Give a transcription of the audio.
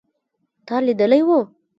تا لیدلی و